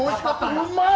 うまい！